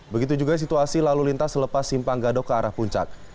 begitu juga situasi lalu lintas selepas simpang gadok ke arah puncak